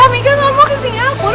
mega gak mau ke singapura